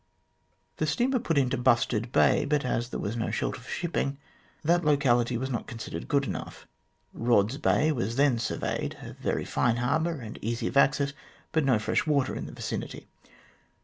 The steamer put into Bustard Bay, but as there was no shelter for shipping, that locality was not considered good enough. Eodd's Bay was then surveyed a very fine harbour, and easy of access, but no fresh water in the vicinity.